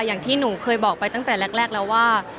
อย่างที่หนูเคยบอกไปตั้งแต่แรกแล้วว่า